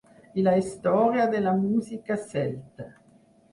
I la història de la música celta.